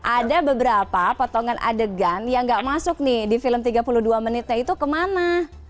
ada beberapa potongan adegan yang gak masuk nih di film tiga puluh dua menitnya itu kemana